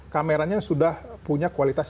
kameranya sudah punya kualitas